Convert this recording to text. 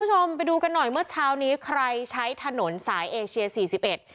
คุณผู้ชมไปดูกันหน่อยเมื่อเช้านี้ใครใช้ถนนสายเอเชียสี่สิบเอ็ด